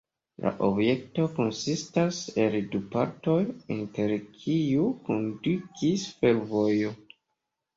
La objekto konsistas el du partoj, inter kiuj kondukis fervojo.